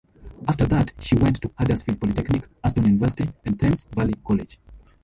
After that she went to Huddersfield Polytechnic, Aston University and Thames Valley College.